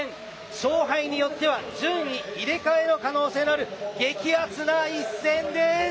勝敗によっては順位入れ替えの可能性のある激熱な１戦です。